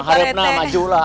ah remah makju lah